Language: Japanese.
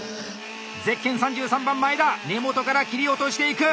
ゼッケン３３番前田根元から切り落としていく！